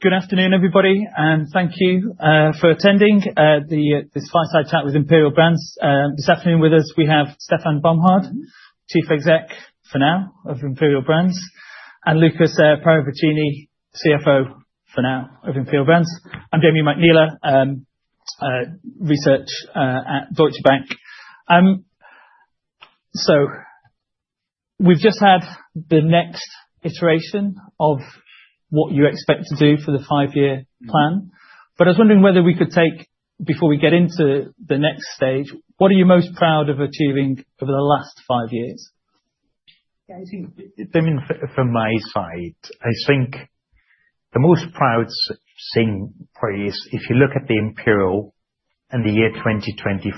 Good afternoon, everybody, and thank you for attending this fireside chat with Imperial Brands. This afternoon with us, we have Stefan Bomhard, Chief Executive for now of Imperial Brands, and Lukas Paravicini, CFO for now of Imperial Brands. I'm Jamie McNeil, Research at Deutsche Bank. We have just had the next iteration of what you expect to do for the five-year plan. I was wondering whether we could take, before we get into the next stage, what are you most proud of achieving over the last five years? I think, I mean, from my side, I think the most proud thing probably is if you look at Imperial and the year 2025,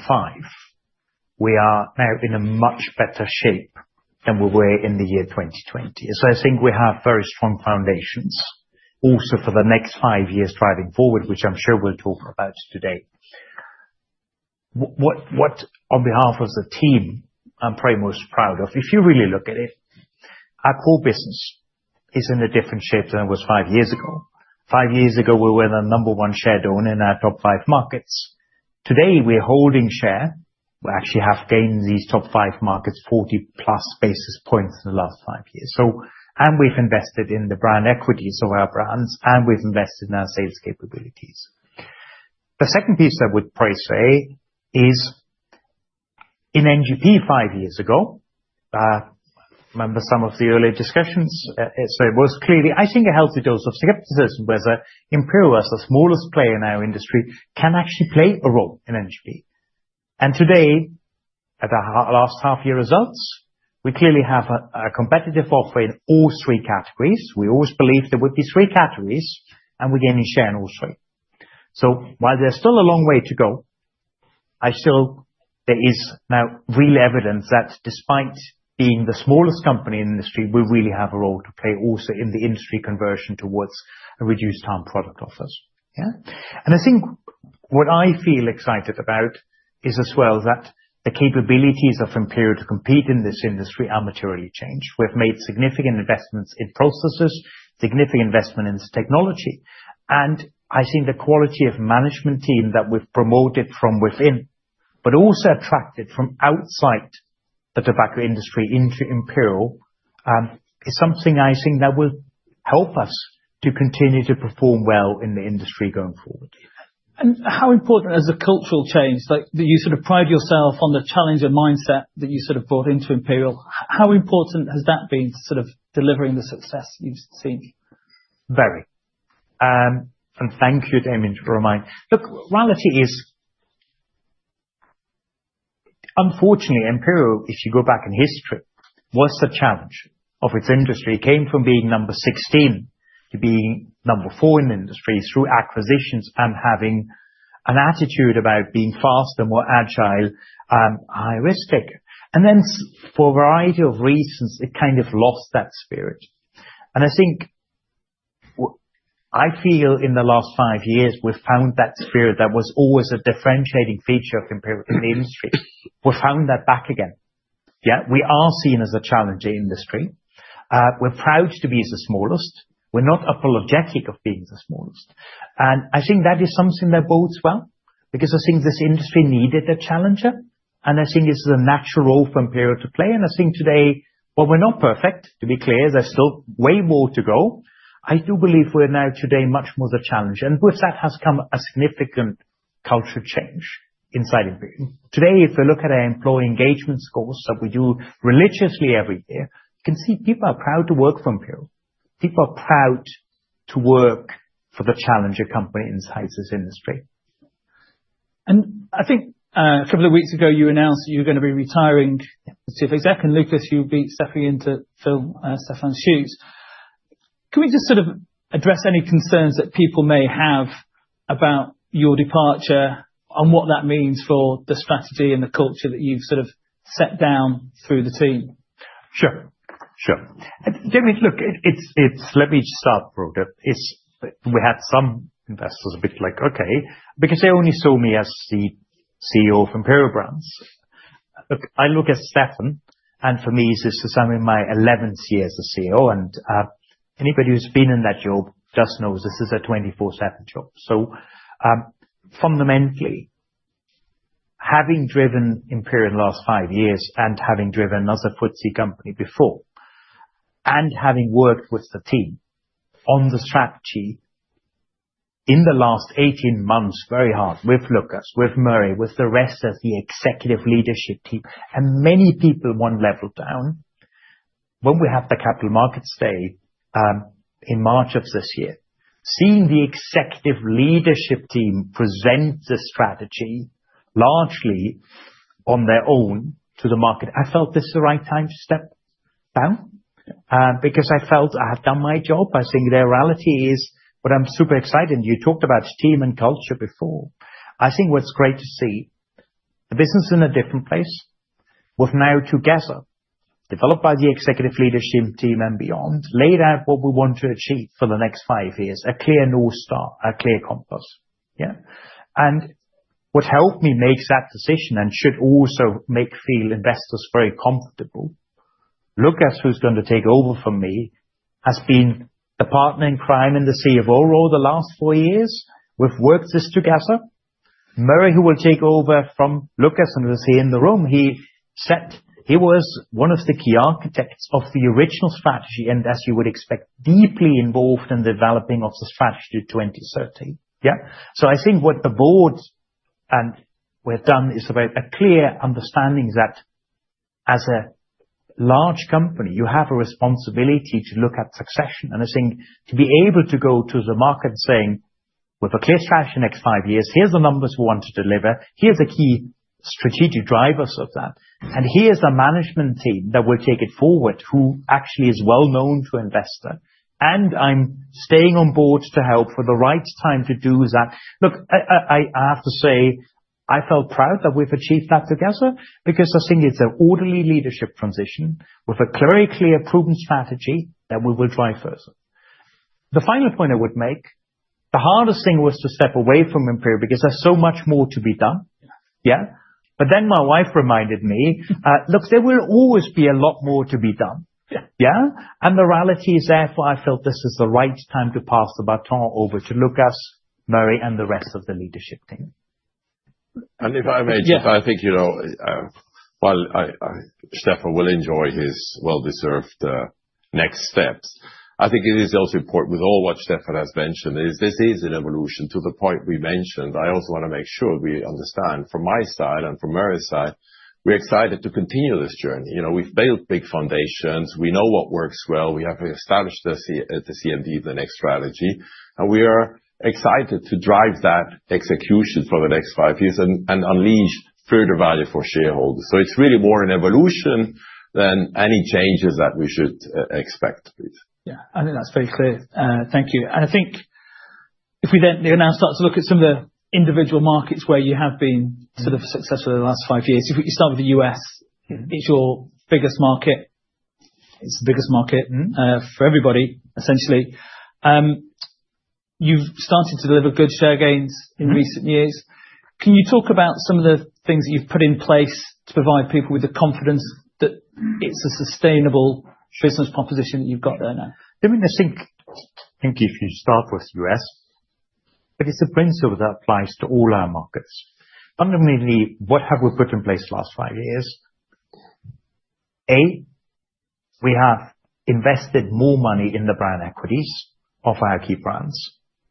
we are now in a much better shape than we were in the year 2020. I think we have very strong foundations also for the next five years driving forward, which I'm sure we'll talk about today. What, on behalf of the team, I'm probably most proud of, if you really look at it, our core business is in a different shape than it was five years ago. Five years ago, we were the number one shareholder in our top five markets. Today, we're holding share. We actually have gained these top five markets 40-plus basis points in the last five years. And we've invested in the brand equities of our brands, and we've invested in our sales capabilities. The second piece I would probably say is in NGP five years ago, I remember some of the early discussions, so it was clearly, I think, a healthy dose of skepticism whether Imperial, as the smallest player in our industry, can actually play a role in NGP. Today, at our last half-year results, we clearly have a competitive offer in all three categories. We always believed there would be three categories, and we're gaining share in all three. While there's still a long way to go, I still, there is now real evidence that despite being the smallest company in the industry, we really have a role to play also in the industry conversion towards reduced-time product offers. I think what I feel excited about is as well that the capabilities of Imperial to compete in this industry are materially changed. We have made significant investments in processes, significant investment in technology. I think the quality of management team that we have promoted from within, but also attracted from outside the tobacco industry into Imperial Brands, is something I think that will help us to continue to perform well in the industry going forward. How important is the cultural change? You sort of pride yourself on the challenge and mindset that you sort of brought into Imperial Brands. How important has that been to sort of delivering the success you've seen? Very. Thank you, Jamie, for reminding. Look, reality is, unfortunately, Imperial, if you go back in history, was the challenge of its industry. It came from being number 16 to being number 4 in the industry through acquisitions and having an attitude about being faster and more agile, high-risk taker. For a variety of reasons, it kind of lost that spirit. I think, I feel in the last five years, we've found that spirit that was always a differentiating feature of Imperial in the industry. We've found that back again. We are seen as a challenging industry. We're proud to be the smallest. We're not apologetic of being the smallest. I think that is something that bodes well because I think this industry needed a challenger. I think it's the natural role for Imperial to play. I think today, while we're not perfect, to be clear, there's still way more to go, I do believe we're now today much more the challenger. With that has come a significant culture change inside Imperial. Today, if you look at our employee engagement scores that we do religiously every year, you can see people are proud to work for Imperial. People are proud to work for the challenger company inside this industry. I think a couple of weeks ago, you announced that you're going to be retiring as Chief Executive Officer. Lukas, you'll be stepping into Stefan's shoes. Can we just sort of address any concerns that people may have about your departure and what that means for the strategy and the culture that you've sort of set down through the team? Sure. Sure. Jamie, look, let me just start broader. We had some investors a bit like, okay, because they only saw me as the CEO of Imperial Brands. Look, I look at Stefan, and for me, this is some of my 11th year as a CEO. And anybody who's been in that job just knows this is a 24/7 job. Fundamentally, having driven Imperial in the last five years and having driven another FTSE company before and having worked with the team on the strategy in the last 18 months, very hard with Lukas, with Murray, with the rest of the executive leadership team and many people one level down, when we had the Capital Markets Day in March of this year, seeing the executive leadership team present the strategy largely on their own to the market, I felt this is the right time to step down because I felt I had done my job. I think the reality is, but I'm super excited. You talked about team and culture before. I think what's great to see, the business is in a different place. We've now together developed by the executive leadership team and beyond, laid out what we want to achieve for the next five years, a clear north star, a clear compass. What helped me make that decision and should also make investors feel very comfortable, Lukas, who's going to take over from me, has been the partner in crime in the sea of Aurora the last four years. We've worked this together. Murray, who will take over from Lukas and we'll see him in the room, he was one of the key architects of the original strategy and, as you would expect, deeply involved in developing the strategy of 2013. I think what the board and we've done is about a clear understanding that as a large company, you have a responsibility to look at succession. I think to be able to go to the market saying, with a clear strategy in the next five years, here are the numbers we want to deliver. Here are the key strategic drivers of that. Here is a management team that will take it forward who actually is well known to investor. I am staying on board to help for the right time to do that. Look, I have to say, I felt proud that we have achieved that together because I think it is an orderly leadership transition with a very clear, proven strategy that we will drive further. The final point I would make, the hardest thing was to step away from Imperial Brands because there is so much more to be done. My wife reminded me, look, there will always be a lot more to be done. The reality is therefore I felt this is the right time to pass the baton over to Lukas, Murray, and the rest of the leadership team. If I may, Stefan, I think, you know, while Stefan will enjoy his well-deserved next steps, I think it is also important with all what Stefan has mentioned is this is an evolution to the point we mentioned. I also want to make sure we understand from my side and from Murray's side, we're excited to continue this journey. We've built big foundations. We know what works well. We have established the CMD, the next strategy. We are excited to drive that execution for the next five years and unleash further value for shareholders. It is really more an evolution than any changes that we should expect. Yeah, I think that's very clear. Thank you. I think if we then now start to look at some of the individual markets where you have been sort of successful in the last five years, if you start with the U.S., it's your biggest market. It's the biggest market for everybody, essentially. You've started to deliver good share gains in recent years. Can you talk about some of the things that you've put in place to provide people with the confidence that it's a sustainable business proposition that you've got there now? I think if you start with the U.S., it is a principle that applies to all our markets. Fundamentally, what have we put in place the last five years? A, we have invested more money in the brand equities of our key brands,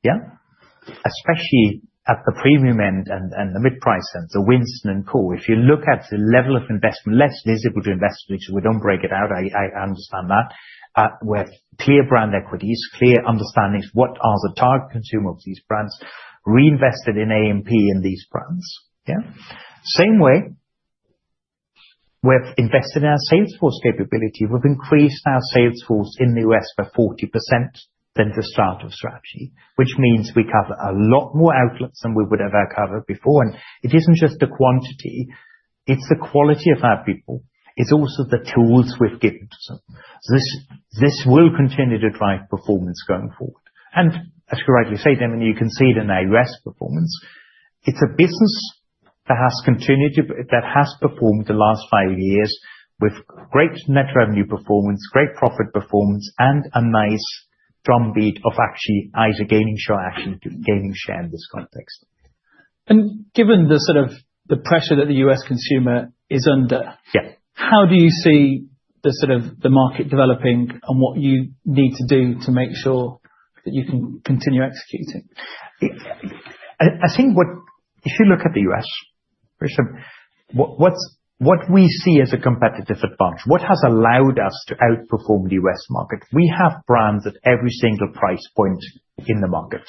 especially at the premium end and the mid-price end, the Winston & Co. If you look at the level of investment, less visible to investors, we do not break it out. I understand that. We have clear brand equities, clear understandings of what are the target consumers of these brands, reinvested in A&P and these brands. In the same way, we have invested in our sales force capability. We have increased our sales force in the U.S. by 40% than the start of strategy, which means we cover a lot more outlets than we would have ever covered before. It is not just the quantity. It is the quality of our people. It's also the tools we've given to them. This will continue to drive performance going forward. As you correctly say, Jamie, you can see it in our U.S. performance. It's a business that has performed the last five years with great net revenue performance, great profit performance, and a nice drumbeat of actually either gaining share, actually gaining share in this context. Given the sort of the pressure that the U.S. consumer is under, how do you see the sort of the market developing and what you need to do to make sure that you can continue executing? I think what, if you look at the U.S., what we see as a competitive advantage, what has allowed us to outperform the U.S. market, we have brands at every single price point in the market,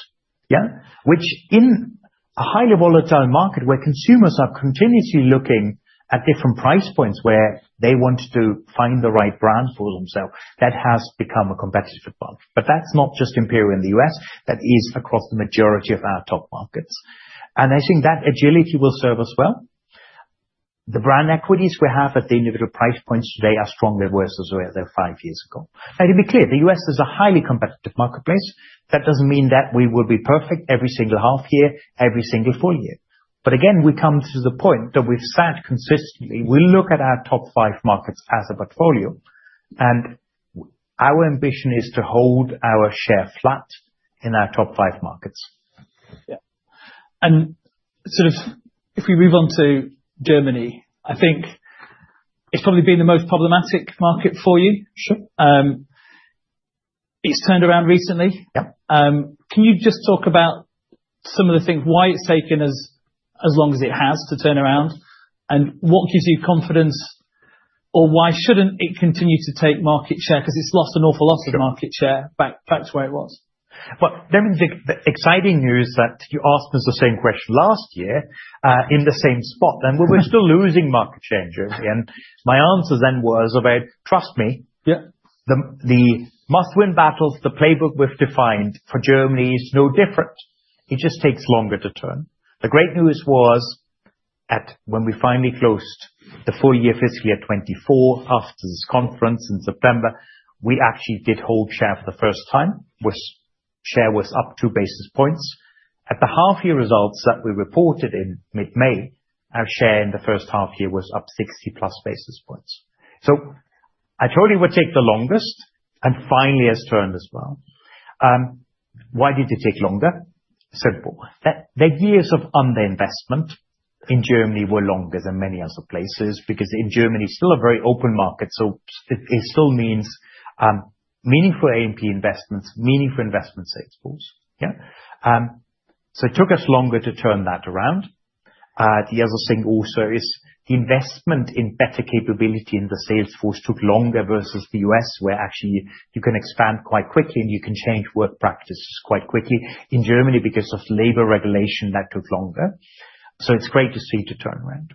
which in a highly volatile market where consumers are continuously looking at different price points where they want to find the right brand for themselves, that has become a competitive advantage. That is not just Imperial in the U.S. That is across the majority of our top markets. I think that agility will serve us well. The brand equities we have at the individual price points today are stronger versus where they were five years ago. Now, to be clear, the U.S. is a highly competitive marketplace. That does not mean that we will be perfect every single half year, every single full year. Again, we come to the point that we've sat consistently. We look at our top five markets as a portfolio. Our ambition is to hold our share flat in our top five markets. Yeah. If we move on to Germany, I think it's probably been the most problematic market for you. It's turned around recently. Can you just talk about some of the things, why it's taken as long as it has to turn around, and what gives you confidence, or why shouldn't it continue to take market share because it's lost an awful lot of market share back to where it was? Jamie, the exciting news is that you asked me the same question last year in the same spot, and we were still losing market share in Germany. My answer then was about, trust me, the must-win battles, the playbook we have defined for Germany is no different. It just takes longer to turn. The great news was when we finally closed the full year fiscal year 2024 after this conference in September, we actually did hold share for the first time. Share was up two basis points. At the half-year results that we reported in mid-May, our share in the first half year was up 60+ basis points. I told you it would take the longest and it finally has turned as well. Why did it take longer? Simple. The years of underinvestment in Germany were longer than many other places because in Germany, it's still a very open market. It still means meaningful A&P investments, meaningful investment sales force. It took us longer to turn that around. The other thing also is the investment in better capability in the sales force took longer versus the U.S., where actually you can expand quite quickly and you can change work practices quite quickly. In Germany, because of labor regulation, that took longer. It's great to see the turnaround.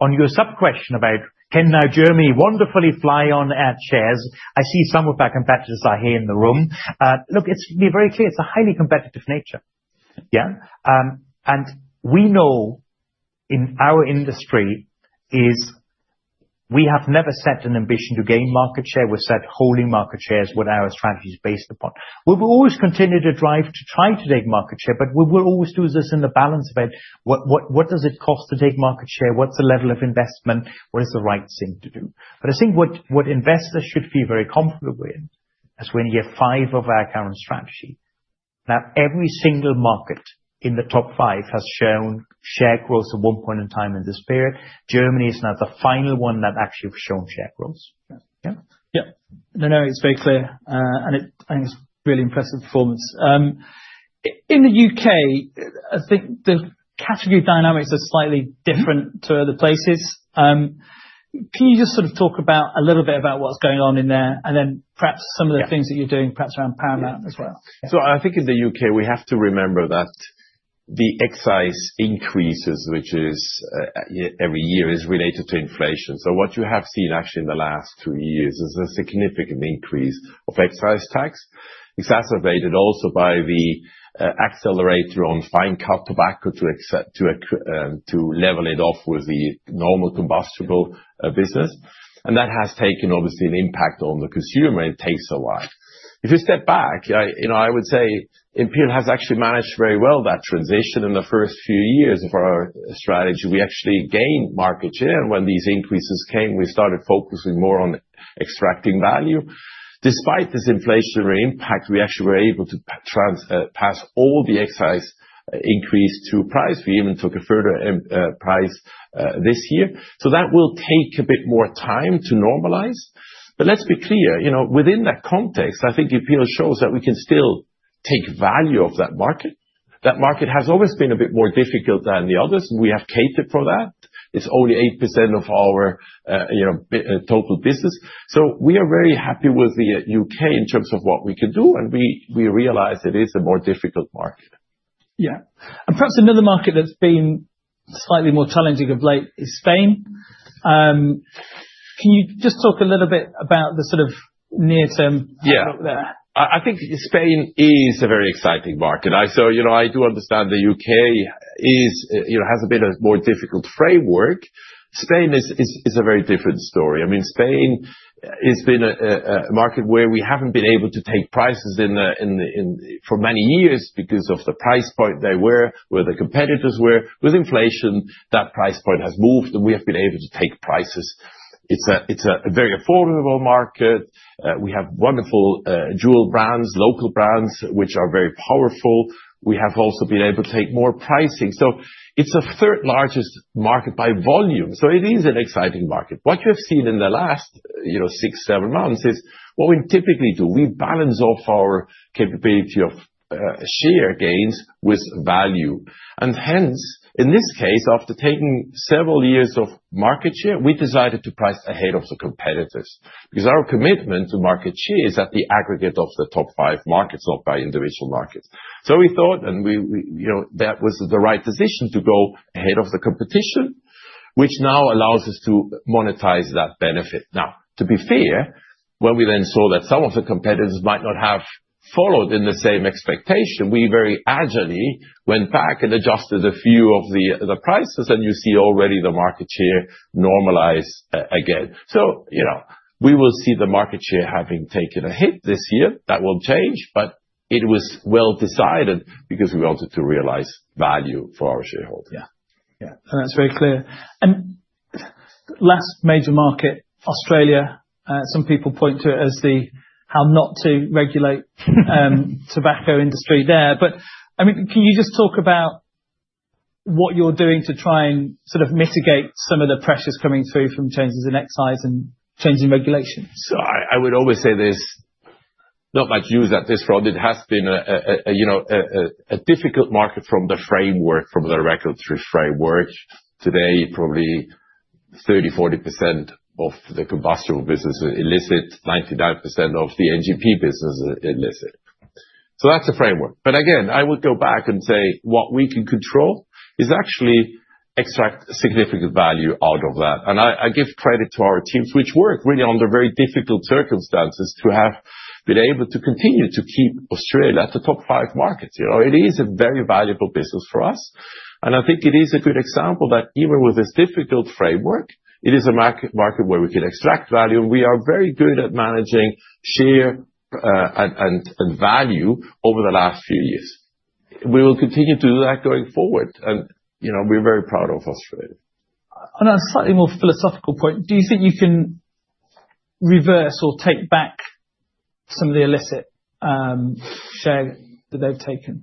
On your sub-question about can now Germany wonderfully fly on at shares, I see some of our competitors are here in the room. Look, let's be very clear. It's a highly competitive nature. We know in our industry we have never set an ambition to gain market share. We've set holding market shares what our strategy is based upon. We will always continue to drive to try to take market share, but we will always do this in the balance of what does it cost to take market share? What's the level of investment? What is the right thing to do? I think what investors should feel very comfortable with as we're in year five of our current strategy. Now, every single market in the top five has shown share growth at one point in time in this period. Germany is now the final one that actually has shown share growth. Yeah. No, no, it's very clear. I think it's really impressive performance. In the U.K., I think the category dynamics are slightly different to other places. Can you just sort of talk about a little bit about what's going on in there and then perhaps some of the things that you're doing perhaps around Paramount as well? I think in the U.K., we have to remember that the excise increases, which is every year, is related to inflation. What you have seen actually in the last two years is a significant increase of excise tax, exacerbated also by the accelerator on fine tobacco to level it off with the normal combustible business. That has taken obviously an impact on the consumer. It takes a while. If you step back, I would say Imperial has actually managed very well that transition in the first few years of our strategy. We actually gained market share. When these increases came, we started focusing more on extracting value. Despite this inflationary impact, we actually were able to pass all the excise increase to price. We even took a further price this year. That will take a bit more time to normalize. Let us be clear, within that context, I think Imperial shows that we can still take value of that market. That market has always been a bit more difficult than the others. We have catered for that. It is only 8% of our total business. We are very happy with the U.K. in terms of what we can do. We realize it is a more difficult market. Yeah. Perhaps another market that's been slightly more challenging of late is Spain. Can you just talk a little bit about the sort of near-term outlook there? Yeah. I think Spain is a very exciting market. I do understand the U.K. has a bit of a more difficult framework. Spain is a very different story. I mean, Spain has been a market where we have not been able to take prices for many years because of the price point they were, where the competitors were. With inflation, that price point has moved and we have been able to take prices. It is a very affordable market. We have wonderful jewel brands, local brands, which are very powerful. We have also been able to take more pricing. It is the third largest market by volume. It is an exciting market. What you have seen in the last six, seven months is what we typically do. We balance off our capability of share gains with value. In this case, after taking several years of market share, we decided to price ahead of the competitors because our commitment to market share is at the aggregate of the top five markets, not by individual markets. We thought that was the right decision to go ahead of the competition, which now allows us to monetize that benefit. To be fair, when we then saw that some of the competitors might not have followed in the same expectation, we very agilely went back and adjusted a few of the prices. You see already the market share normalize again. We will see the market share having taken a hit this year. That will change, but it was well decided because we wanted to realize value for our shareholders. Yeah. Yeah. That is very clear. Last major market, Australia. Some people point to it as how not to regulate tobacco industry there. I mean, can you just talk about what you're doing to try and sort of mitigate some of the pressures coming through from changes in excise and changing regulations? I would always say there's not much news at this front. It has been a difficult market from the framework, from the regulatory framework. Today, probably 30-40% of the combustible business is illicit, 99% of the NGP business is illicit. That's a framework. Again, I would go back and say what we can control is actually extract significant value out of that. I give credit to our teams, which work really under very difficult circumstances to have been able to continue to keep Australia at the top five markets. It is a very valuable business for us. I think it is a good example that even with this difficult framework, it is a market where we can extract value. We are very good at managing share and value over the last few years. We will continue to do that going forward. We are very proud of Australia. On a slightly more philosophical point, do you think you can reverse or take back some of the illicit share that they've taken?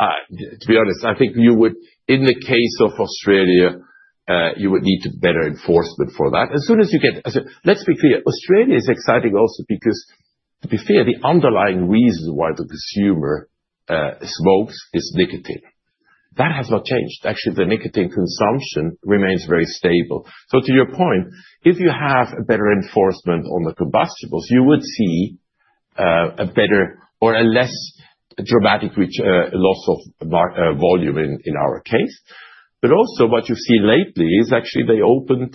To be honest, I think you would, in the case of Australia, you would need better enforcement for that. As soon as you get, let's be clear, Australia is exciting also because, to be fair, the underlying reason why the consumer smokes is nicotine. That has not changed. Actually, the nicotine consumption remains very stable. To your point, if you have better enforcement on the combustibles, you would see a better or a less dramatic loss of volume in our case. Also, what you've seen lately is actually they opened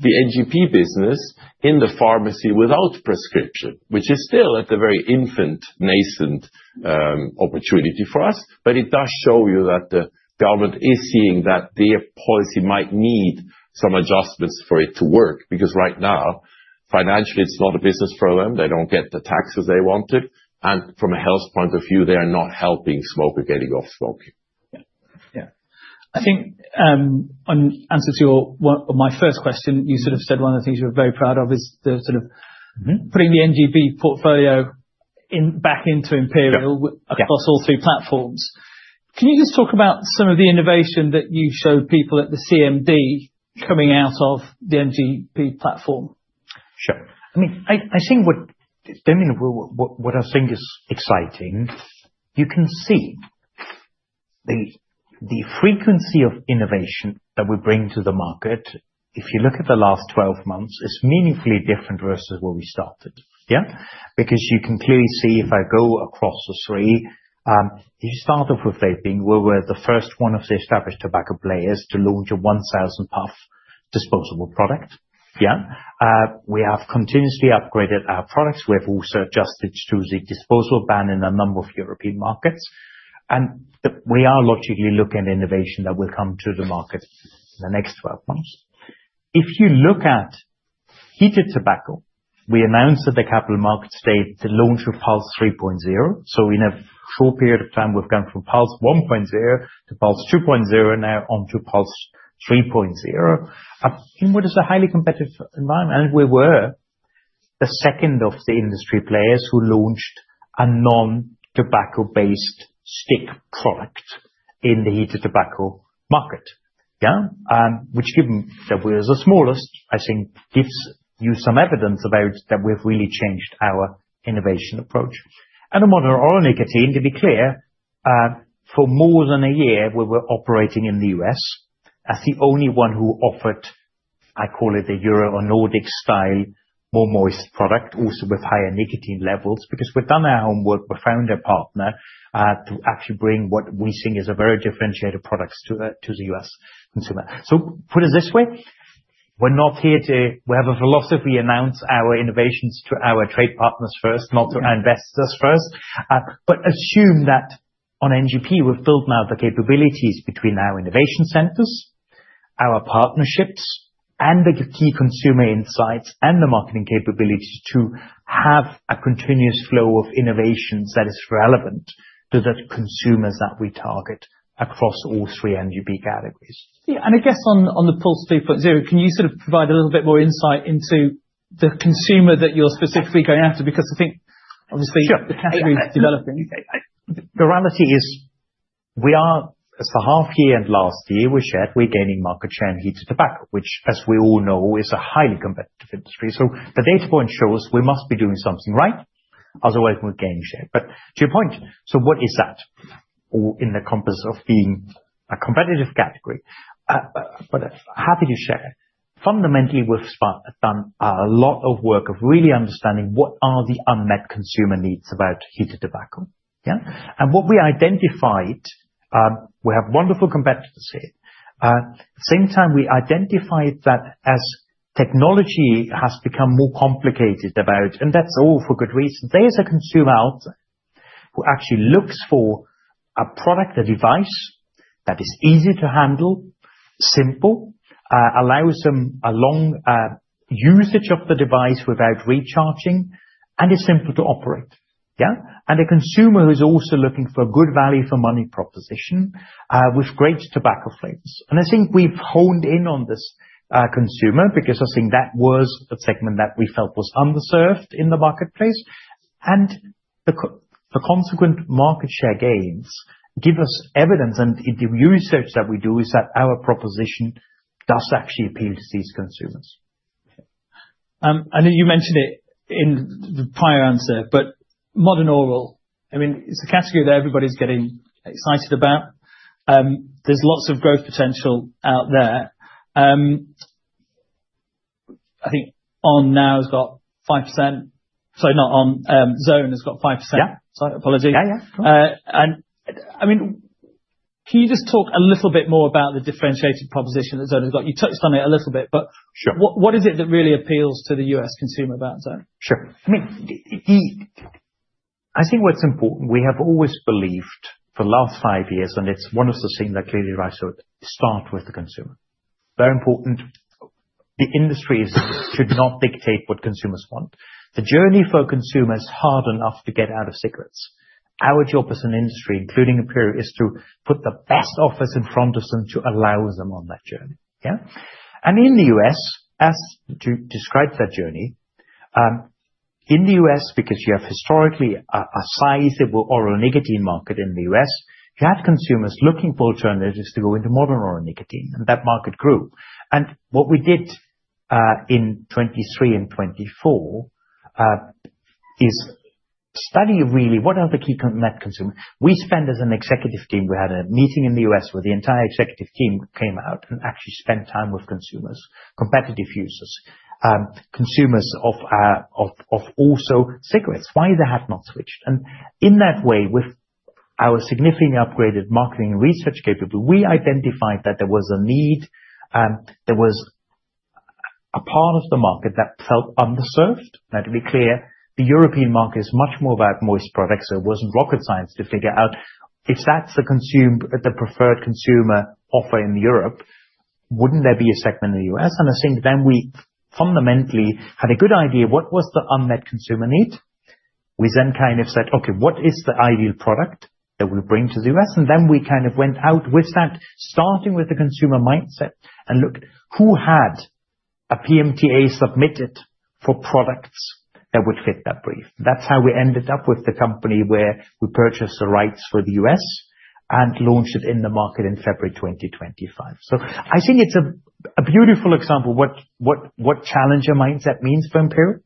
the NGP business in the pharmacy without prescription, which is still at the very infant, nascent opportunity for us. It does show you that the government is seeing that their policy might need some adjustments for it to work because right now, financially, it's not a business for them. They do not get the taxes they wanted. From a health point of view, they are not helping smokers getting off smoking. Yeah. Yeah. I think in answer to my first question, you sort of said one of the things you're very proud of is the sort of putting the NGP portfolio back into Imperial across all three platforms. Can you just talk about some of the innovation that you showed people at the CMD coming out of the NGP platform? Sure. I mean, I think what I think is exciting, you can see the frequency of innovation that we bring to the market. If you look at the last 12 months, it is meaningfully different versus where we started. Yeah. You can clearly see if I go across the three, if you start off with vaping, we were the first one of the established tobacco players to launch a 1,000-puff disposable product. Yeah. We have continuously upgraded our products. We have also adjusted to the disposable ban in a number of European markets. We are logically looking at innovation that will come to the market in the next 12 months. If you look at heated tobacco, we announced at the capital markets day the launch of Pulse 3.0. In a short period of time, we have gone from Pulse 1.0 to Pulse 2.0 and now onto Pulse 3.0. What is a highly competitive environment. We were the second of the industry players who launched a non-tobacco-based stick product in the heated tobacco market, which given that we are the smallest, I think gives you some evidence about that we've really changed our innovation approach. On mono oral nicotine, to be clear, for more than a year, we were operating in the U.S. as the only one who offered, I call it the Euro or Nordic style, more moist product, also with higher nicotine levels because we've done our homework. We found a partner to actually bring what we think is a very differentiated product to the U.S. consumer. Put it this way, we're not here to, we have a philosophy to announce our innovations to our trade partners first, not to our investors first, but assume that on NGP, we've built now the capabilities between our innovation centers, our partnerships, and the key consumer insights and the marketing capabilities to have a continuous flow of innovations that is relevant to the consumers that we target across all three NGP categories. Yeah. I guess on the Pulse 3.0, can you sort of provide a little bit more insight into the consumer that you're specifically going after? Because I think obviously the category is developing. Sure. The reality is we are, as for half year and last year, we shared, we're gaining market share in heated tobacco, which, as we all know, is a highly competitive industry. The data point shows we must be doing something right, otherwise we're gaining share. To your point, what is that in the compass of being a competitive category? Happy to share. Fundamentally, we've done a lot of work of really understanding what are the unmet consumer needs about heated tobacco. Yeah. What we identified, we have wonderful competitors here. At the same time, we identified that as technology has become more complicated, and that's all for good reason, there's a consumer out there who actually looks for a product, a device that is easy to handle, simple, allows them a long usage of the device without recharging, and it's simple to operate. Yeah. A consumer who's also looking for a good value for money proposition with great tobacco flavors. I think we've honed in on this consumer because I think that was a segment that we felt was underserved in the marketplace. The consequent market share gains give us evidence, and the research that we do is that our proposition does actually appeal to these consumers. I know you mentioned it in the prior answer, but modern oral, I mean, it's a category that everybody's getting excited about. There's lots of growth potential out there. I think On now has got 5%. Sorry, not On, Zone has got 5%. Sorry, apologies. I mean, can you just talk a little bit more about the differentiated proposition that Zone has got? You touched on it a little bit, but what is it that really appeals to the U.S. consumer about Zone? Sure. I mean, I think what's important, we have always believed for the last five years, and it's one of the things that clearly arise, start with the consumer. Very important. The industry should not dictate what consumers want. The journey for consumers is hard enough to get out of cigarettes. Our job as an industry, including Imperial, is to put the best offers in front of them to allow them on that journey. Yeah. In the U.S., as to describe that journey, in the U.S., because you have historically a sizable oral nicotine market in the U.S., you had consumers looking for alternatives to go into modern oral nicotine. That market grew. What we did in 2023 and 2024 is study really what are the key unmet consumers. We spent, as an executive team, we had a meeting in the U.S. where the entire executive team came out and actually spent time with consumers, competitive users, consumers of also cigarettes. Why they had not switched. In that way, with our significantly upgraded marketing and research capability, we identified that there was a need, there was a part of the market that felt underserved. Now, to be clear, the European market is much more about moist products. It was not rocket science to figure out if that is the preferred consumer offer in Europe, would not there be a segment in the U.S.? I think we fundamentally had a good idea of what was the unmet consumer need. We then kind of said, okay, what is the ideal product that we will bring to the U.S.? We kind of went out with that, starting with the consumer mindset and looked who had a PMTA submitted for products that would fit that brief. That is how we ended up with the company where we purchased the rights for the U.S. and launched it in the market in February 2025. I think it is a beautiful example of what challenger mindset means for Imperial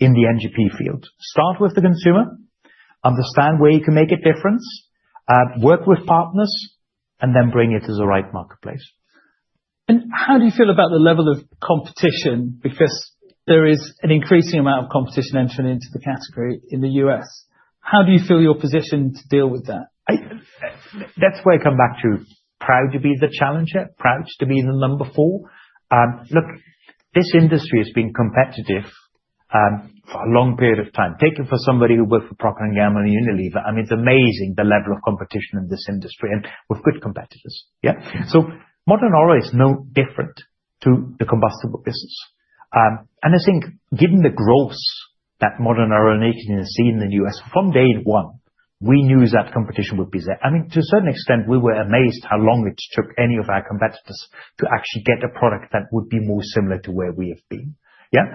in the NGP field. Start with the consumer, understand where you can make a difference, work with partners, and then bring it to the right marketplace. How do you feel about the level of competition? Because there is an increasing amount of competition entering into the category in the U.S. How do you feel your position to deal with that? That's where I come back to proud to be the challenger, proud to be the number four. Look, this industry has been competitive for a long period of time. Take it from somebody who worked for Procter & Gamble and Unilever. I mean, it's amazing the level of competition in this industry and with good competitors. Yeah. Modern oral is no different to the combustible business. I think given the growth that modern oral nicotine has seen in the U.S. from day one, we knew that competition would be there. I mean, to a certain extent, we were amazed how long it took any of our competitors to actually get a product that would be more similar to where we have been. Yeah.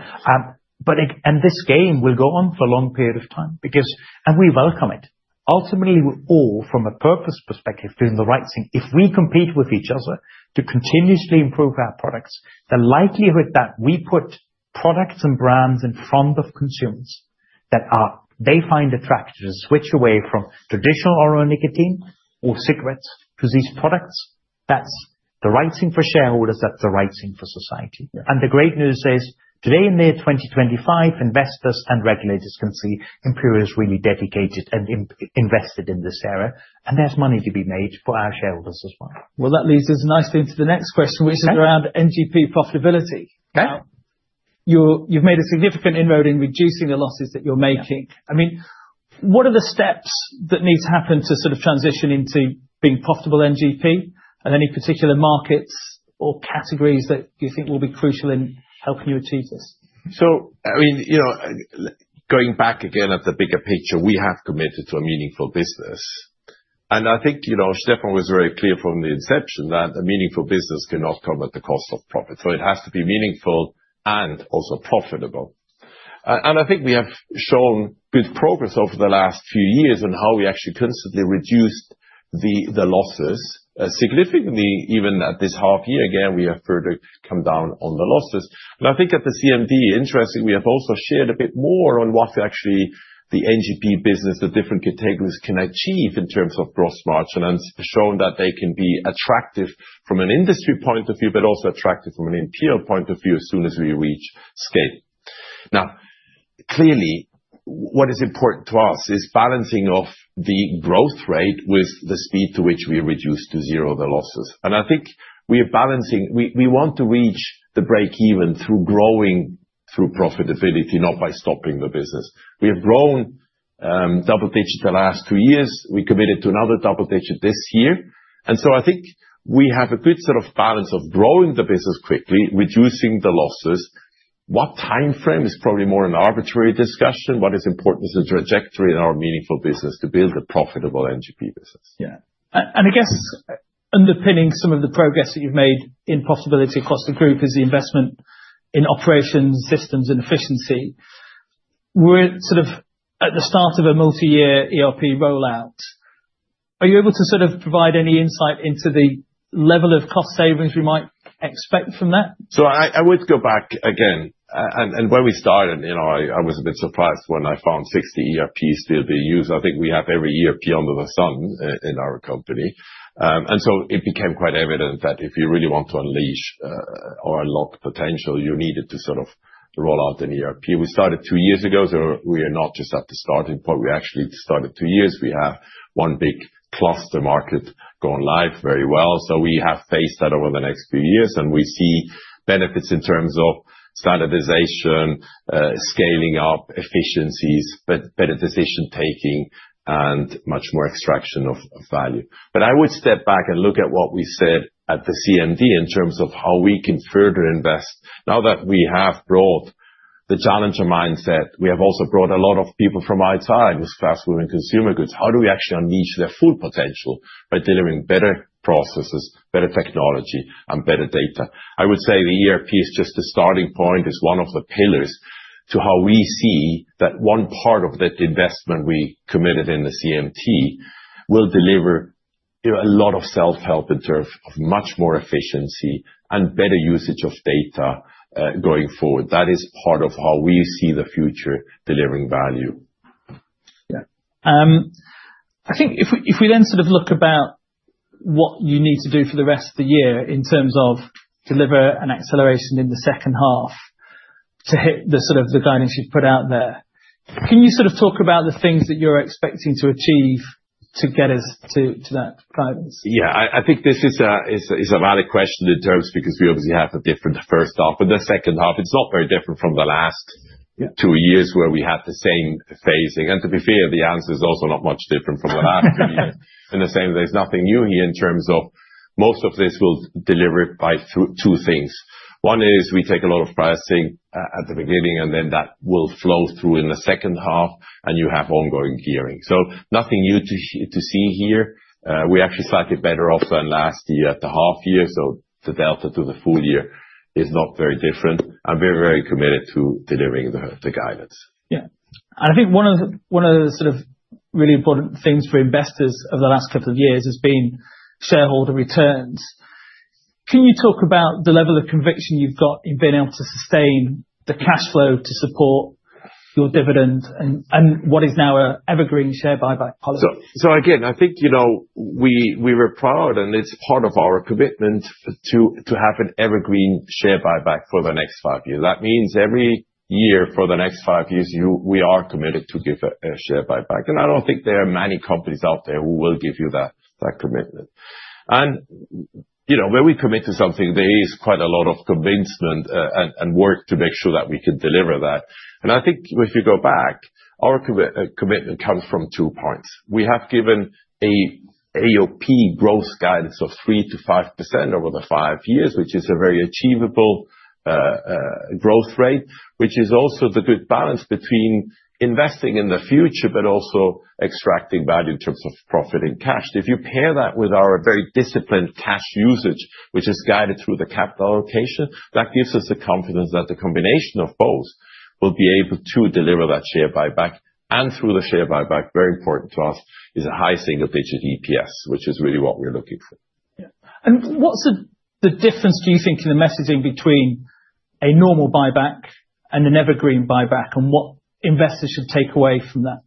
This game will go on for a long period of time because, and we welcome it. Ultimately, we're all from a purpose perspective doing the right thing. If we compete with each other to continuously improve our products, the likelihood that we put products and brands in front of consumers that they find attractive to switch away from traditional oral nicotine or cigarettes to these products, that's the right thing for shareholders, that's the right thing for society. The great news is today in the year 2025, investors and regulators can see Imperial is really dedicated and invested in this area. There's money to be made for our shareholders as well. That leads us nicely into the next question, which is around NGP profitability. You've made a significant inroad in reducing the losses that you're making. I mean, what are the steps that need to happen to sort of transition into being profitable NGP? Are there any particular markets or categories that you think will be crucial in helping you achieve this? I mean, going back again at the bigger picture, we have committed to a meaningful business. I think Stefan was very clear from the inception that a meaningful business cannot come at the cost of profit. It has to be meaningful and also profitable. I think we have shown good progress over the last few years on how we actually constantly reduced the losses significantly. Even at this half year, again, we have further come down on the losses. I think at the CMD, interestingly, we have also shared a bit more on what actually the NGP business, the different categories can achieve in terms of gross margin, and shown that they can be attractive from an industry point of view, but also attractive from an Imperial point of view as soon as we reach scale. Now, clearly, what is important to us is balancing the growth rate with the speed to which we reduce to zero the losses. I think we are balancing, we want to reach the break-even through growing through profitability, not by stopping the business. We have grown double-digit the last two years. We committed to another double-digit this year. I think we have a good sort of balance of growing the business quickly, reducing the losses. What timeframe is probably more an arbitrary discussion. What is important is the trajectory in our meaningful business to build a profitable NGP business. Yeah. I guess underpinning some of the progress that you've made in possibility across the group is the investment in operations, systems, and efficiency. We're sort of at the start of a multi-year ERP rollout. Are you able to sort of provide any insight into the level of cost savings we might expect from that? I would go back again. When we started, I was a bit surprised when I found 60 ERPs to be used. I think we have every ERP under the sun in our company. It became quite evident that if you really want to unleash or unlock potential, you needed to sort of roll out an ERP. We started two years ago. We are not just at the starting point. We actually started two years. We have one big cluster market going live very well. We have phased that over the next few years. We see benefits in terms of standardization, scaling up, efficiencies, better decision taking, and much more extraction of value. I would step back and look at what we said at the CMD in terms of how we can further invest. Now that we have brought the challenger mindset, we have also brought a lot of people from outside who are fast-moving consumer goods. How do we actually unleash their full potential by delivering better processes, better technology, and better data? I would say the ERP is just the starting point, is one of the pillars to how we see that one part of that investment we committed in the CMD will deliver a lot of self-help in terms of much more efficiency and better usage of data going forward. That is part of how we see the future delivering value. Yeah. I think if we then sort of look about what you need to do for the rest of the year in terms of deliver an acceleration in the second half to hit the sort of the guidance you've put out there, can you sort of talk about the things that you're expecting to achieve to get us to that guidance? Yeah. I think this is a valid question in terms because we obviously have a different first half and the second half. It's not very different from the last two years where we had the same phasing. To be fair, the answer is also not much different from the last two years. In the same way, there's nothing new here in terms of most of this will deliver by two things. One is we take a lot of pricing at the beginning, and then that will flow through in the second half, and you have ongoing gearing. Nothing new to see here. We are actually slightly better off than last year at the half year. The delta to the full year is not very different. I'm very, very committed to delivering the guidance. Yeah. I think one of the sort of really important things for investors over the last couple of years has been shareholder returns. Can you talk about the level of conviction you've got in being able to sustain the cash flow to support your dividend and what is now an evergreen share buyback policy? I think we were proud, and it's part of our commitment to have an evergreen share buyback for the next five years. That means every year for the next five years, we are committed to give a share buyback. I don't think there are many companies out there who will give you that commitment. When we commit to something, there is quite a lot of convincement and work to make sure that we can deliver that. I think if you go back, our commitment comes from two points. We have given an AOP growth guidance of 3%-5% over the five years, which is a very achievable growth rate, which is also the good balance between investing in the future, but also extracting value in terms of profit and cash. If you pair that with our very disciplined cash usage, which is guided through the capital allocation, that gives us the confidence that the combination of both will be able to deliver that share buyback. Through the share buyback, very important to us, is a high single-digit EPS, which is really what we're looking for. Yeah. What's the difference, do you think, in the messaging between a normal buyback and an evergreen buyback, and what investors should take away from that?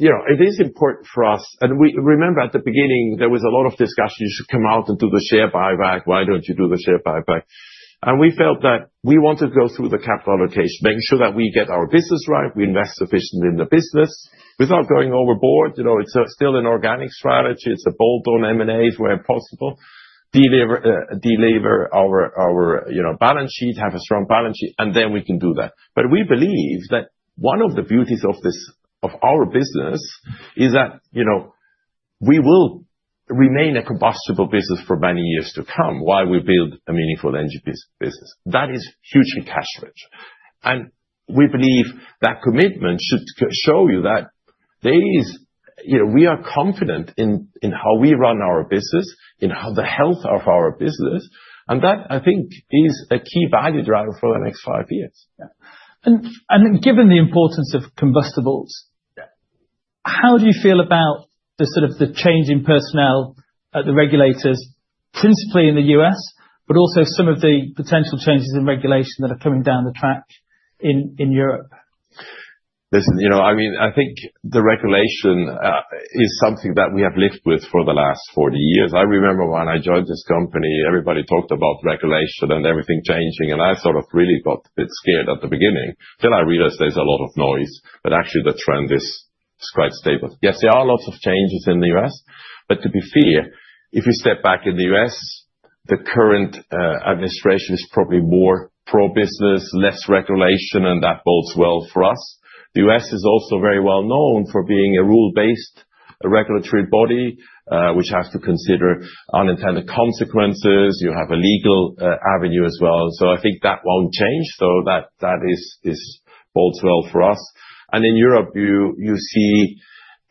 It is important for us. Remember, at the beginning, there was a lot of discussion. You should come out and do the share buyback. Why do you not do the share buyback? We felt that we want to go through the capital allocation, making sure that we get our business right, we invest sufficiently in the business without going overboard. It is still an organic strategy. It is bolt-on M&As where possible, deliver our balance sheet, have a strong balance sheet, and then we can do that. We believe that one of the beauties of our business is that we will remain a combustible business for many years to come while we build a meaningful NGP business. That is hugely cash rich. We believe that commitment should show you that we are confident in how we run our business, in the health of our business.I think that is a key value driver for the next five years. Yeah. Given the importance of combustibles, how do you feel about the sort of the change in personnel at the regulators, principally in the U.S., but also some of the potential changes in regulation that are coming down the track in Europe? Listen, I mean, I think the regulation is something that we have lived with for the last 40 years. I remember when I joined this company, everybody talked about regulation and everything changing. I sort of really got a bit scared at the beginning until I realized there's a lot of noise, but actually the trend is quite stable. Yes, there are lots of changes in the U.S. To be fair, if you step back in the U.S., the current administration is probably more pro-business, less regulation, and that bodes well for us. The U.S. is also very well known for being a rule-based regulatory body, which has to consider unintended consequences. You have a legal avenue as well. I think that won't change. That bodes well for us. In Europe, you see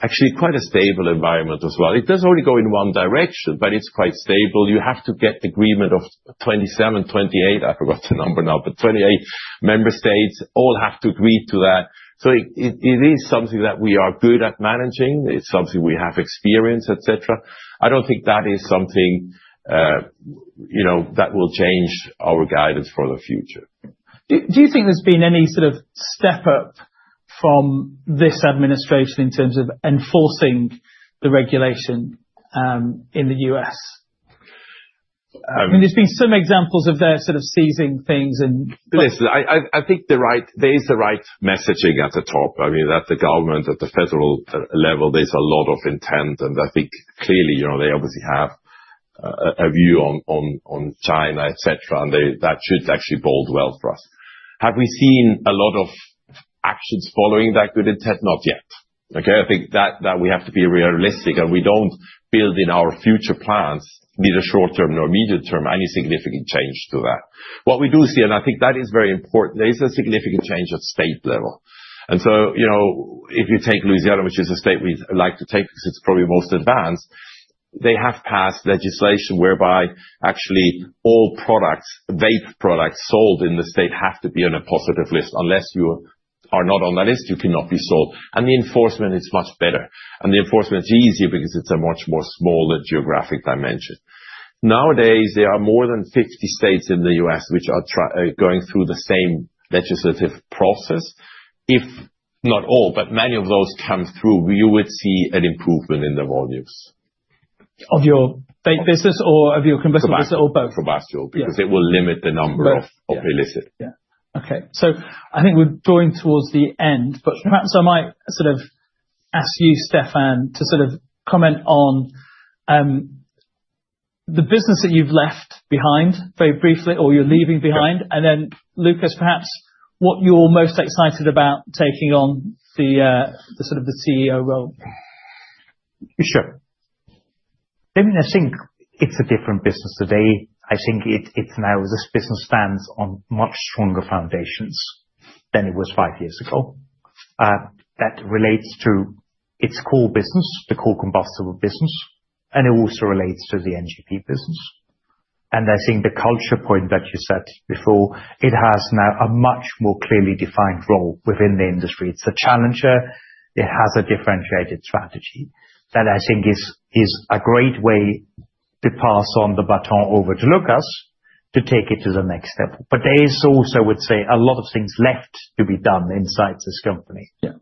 actually quite a stable environment as well. It doesn't only go in one direction, but it's quite stable. You have to get the agreement of 27, 28, I forgot the number now, but 28 member states all have to agree to that. It is something that we are good at managing. It's something we have experience, etc. I don't think that is something that will change our guidance for the future. Do you think there's been any sort of step up from this administration in terms of enforcing the regulation in the U.S.? I mean, there's been some examples of their sort of seizing things. Listen, I think there is the right messaging at the top. I mean, at the government, at the federal level, there's a lot of intent. I think clearly they obviously have a view on China, etc. That should actually bode well for us. Have we seen a lot of actions following that good intent? Not yet. Okay. I think that we have to be realistic. We do not build in our future plans, neither short term nor medium term, any significant change to that. What we do see, and I think that is very important, there is a significant change at state level. If you take Louisiana, which is a state we like to take because it is probably most advanced, they have passed legislation whereby actually all products, vape products sold in the state have to be on a positive list. Unless you are not on that list, you cannot be sold. The enforcement is much better. The enforcement is easier because it is a much smaller geographic dimension. Nowadays, there are more than 50 states in the U.S. which are going through the same legislative process. If not all, but many of those come through, you would see an improvement in the volumes. Of your vape business or of your combustible business or both? Combustible because it will limit the number of illicit. Yeah. Okay. I think we're drawing towards the end, but perhaps I might sort of ask you, Stefan, to sort of comment on the business that you've left behind very briefly or you're leaving behind. And then Lukas, perhaps what you're most excited about taking on the sort of the CEO role? Sure. I mean, I think it's a different business today. I think now this business stands on much stronger foundations than it was five years ago. That relates to its core business, the core combustible business, and it also relates to the NGP business. I think the culture point that you said before, it has now a much more clearly defined role within the industry. It's a challenger. It has a differentiated strategy that I think is a great way to pass on the baton over to Lukas to take it to the next step. There is also, I would say, a lot of things left to be done inside this company. Yeah.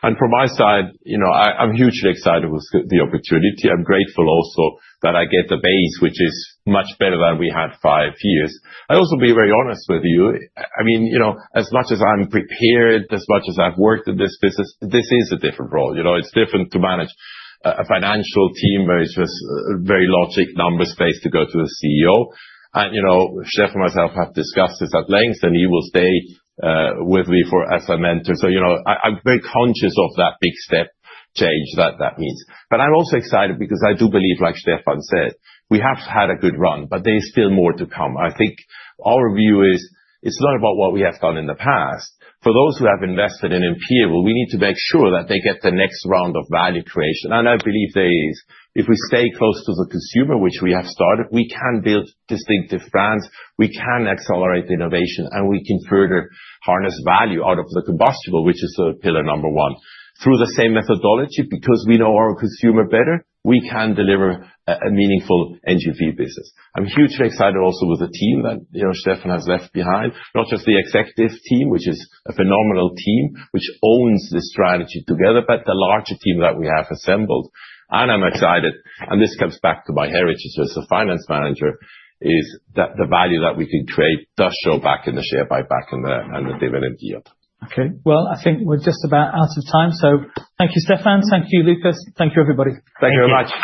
From my side, I'm hugely excited with the opportunity. I'm grateful also that I get the base, which is much better than we had five years. I'd also be very honest with you. I mean, as much as I'm prepared, as much as I've worked in this business, this is a different role. It's different to manage a financial team where it's just very logic numbers space to go to the CEO. Stefan and myself have discussed this at length, and he will stay with me as a mentor. I'm very conscious of that big step change that that means. I'm also excited because I do believe, like Stefan said, we have had a good run, but there is still more to come. I think our view is it's not about what we have done in the past. For those who have invested in Imperial, we need to make sure that they get the next round of value creation. I believe there is, if we stay close to the consumer, which we have started, we can build distinctive brands, we can accelerate innovation, and we can further harness value out of the combustible, which is pillar number one. Through the same methodology, because we know our consumer better, we can deliver a meaningful NGP business. I'm hugely excited also with the team that Stefan has left behind, not just the executive team, which is a phenomenal team, which owns the strategy together, but the larger team that we have assembled. I'm excited. This comes back to my heritage as a finance manager, is that the value that we can create does show back in the share buyback and the dividend yield. Okay. I think we're just about out of time. Thank you, Stefan. Thank you, Lukas. Thank you, everybody. Thank you very much.